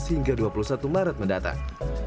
delapan belas hingga dua puluh satu maret mendatang